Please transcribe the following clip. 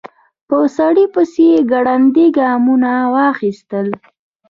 په سړي پسې يې ګړندي ګامونه اخيستل.